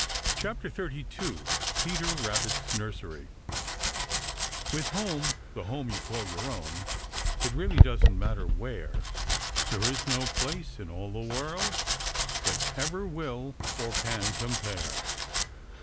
CHAPTER XXXII PETER RABBIT'S NURSERY With home, the home you call your own, It really doesn't matter where, There is no place, in all the world, That ever will or can compare.